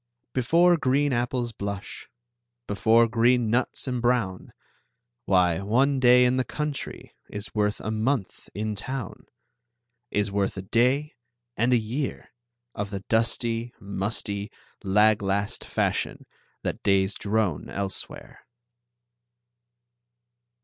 Before green apples blush, Before green nuts embrown, Why, one day in the country Is worth a month in town; Is worth a day and a year Of the dusty, musty, lag last fashion That days drone elsewhere.